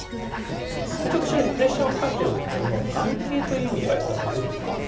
ちょっと白にプレッシャーはかかってるんですけども眼形という意味では安田さんどうですか？